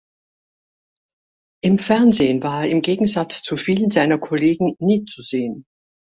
Im Fernsehen war er im Gegensatz zu vielen seiner Kollegen nie zu sehen.